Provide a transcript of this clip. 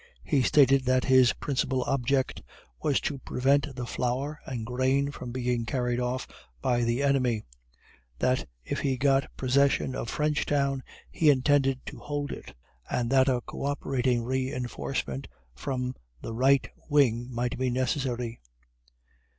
He stated that his principal object was to prevent the flour and grain from being carried off by the enemy; that if he got possession of Frenchtown he intended to hold it, and that a co operating reinforcement from the right wing might be necessary.